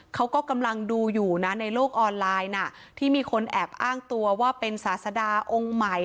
เขาก็กำลังดูอยู่นะในโลกออนไลน์น่ะที่มีคนแอบอ้างตัวว่าเป็นศาสดาองค์ใหม่